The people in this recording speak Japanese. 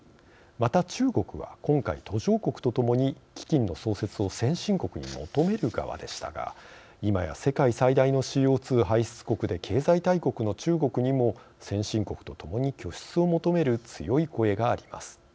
また中国は今回、途上国と共に基金の創設を先進国に求める側でしたが今や世界最大のＣＯ２排出国で経済大国の中国にも先進国と共に拠出を求める強い声があります。